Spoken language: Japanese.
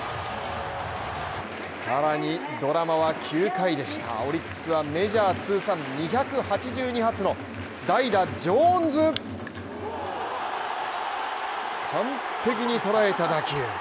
さらにドラマは９回でしたオリックスはメジャー通算２８２発の代打ジョーンズ完璧に捉えた。